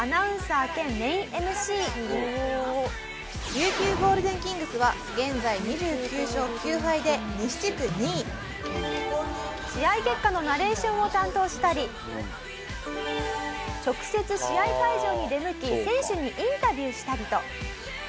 琉球ゴールデンキングスは現在２９勝９敗で西地区２位試合結果のナレーションを担当したり直接試合会場に出向き選手にインタビューしたりと。